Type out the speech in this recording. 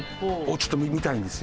ちょっと見たいんですよ。